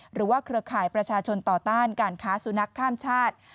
เครือข่ายประชาชนต่อต้านการค้าสุนัขข้ามชาติ